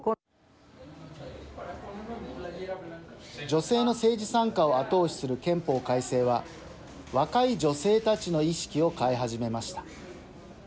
女性の政治参加を後押しする憲法改正は若い女性たちの意識を変え始めました。